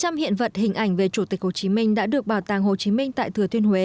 hơn hai trăm linh hiện vật hình ảnh về chủ tịch hồ chí minh đã được bảo tàng hồ chí minh tại thừa thuyên huế